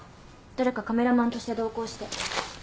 誰かカメラマンとして同行して。